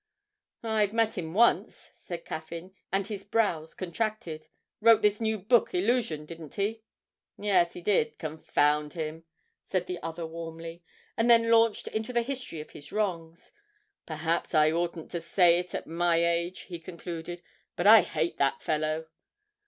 'I've met him once,' said Caffyn, and his brows contracted. 'Wrote this new book, "Illusion," didn't he?' 'Yes, he did confound him!' said the other warmly, and then launched into the history of his wrongs. 'Perhaps I oughtn't to say it at my age,' he concluded, 'but I hate that fellow!'